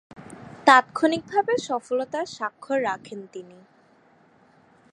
তাৎক্ষণিকভাবে সফলতার স্বাক্ষর রাখেন তিনি।